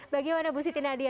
bagaimana bu siti nadia